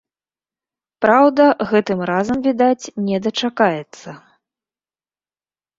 Праўда, гэтым разам, відаць, не дачакаецца.